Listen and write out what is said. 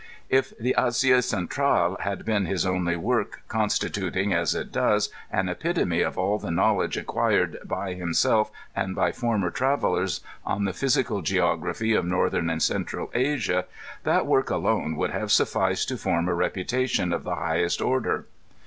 If the Asie Centrcde had been his only work, constituting, as it does, an epitome of all the knowledge acquired by himself and by former travelers on the physical geography of Northern and Cent]:al Asia, that work alone would have sufficed to form a reputation of the highest order.